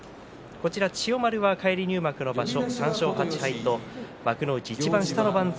千代丸は返り入幕の場所３勝８敗と幕内いちばん下の番付。